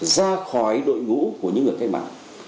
ra khỏi đội ngũ của những người kết mạng